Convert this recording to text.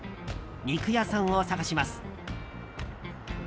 肉屋さんを探します。